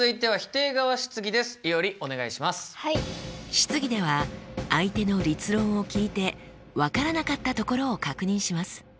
質疑では相手の立論を聞いて分からなかったところを確認します。